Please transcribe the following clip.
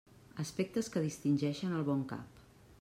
Aspectes que distingeixen el bon cap.